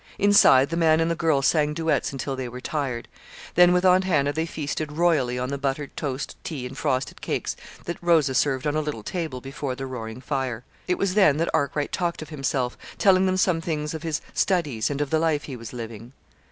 Inside, the man and the girl sang duets until they were tired; then, with Aunt Hannah, they feasted royally on the buttered toast, tea, and frosted cakes that Rosa served on a little table before the roaring fire. It was then that Arkwright talked of himself, telling them something of his studies, and of the life he was living.